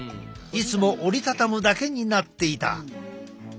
いつも折りたたむだけになっていた。